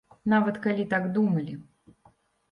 Нават калі так думалі.